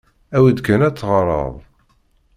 Awi-d kan ad teɣreḍ.